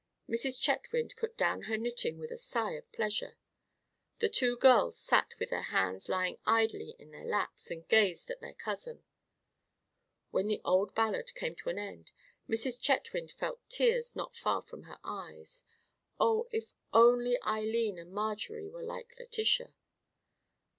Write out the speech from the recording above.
Mrs. Chetwynd put down her knitting with a sigh of pleasure. The two girls sat with their hands lying idly in their laps, and gazed at their cousin. When the old ballad came to an end, Mrs. Chetwynd felt tears not far from her eyes. Oh, if only Eileen and Marjorie were like Letitia!